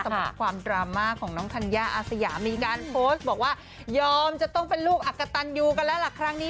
สำหรับความดราม่าของน้องธัญญาอาสยามีการโพสต์บอกว่ายอมจะต้องเป็นลูกอักกะตันยูกันแล้วล่ะครั้งนี้